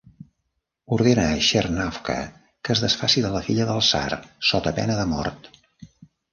Ordena a Txernavka que es desfaci de la filla del tsar sota pena de mort.